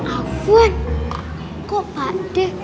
ahwan kok pade